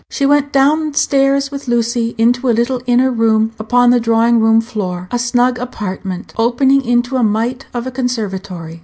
She went down stairs with Lucy into a little inner room upon the drawing room floor a snug apartment, opening into a mite of a conservatory.